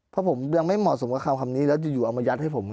เพราะผมยังไม่เหมาะสมกับคำนี้แล้วอยู่เอามายัดให้ผม